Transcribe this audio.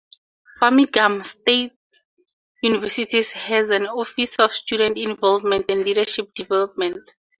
Framingham State University has an Office of Student Involvement and Leadership Development.